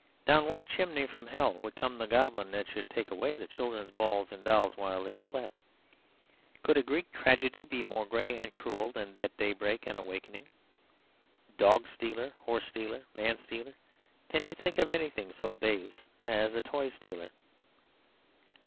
Down what chimney from hell would come the goblin that should take away the children's balls and dolls while they slept? Could a Greek tragedy be more gray and cruel than that daybreak and awakening? Dog stealer, horse stealer, man stealer—can you think of anything so base as a toy stealer?